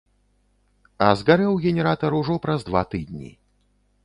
А згарэў генератар ужо праз два тыдні.